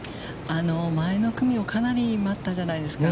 前の組を、かなり待ったじゃないですか。